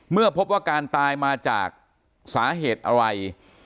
เมื่อพบว่าการตายมาจากสาเหตุอะไร